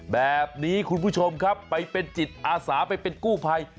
แบบนี้คุณผู้ชมครับไปเป็นจิตอาสาไปเป็นกู้ภัย